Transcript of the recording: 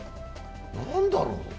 何だろう？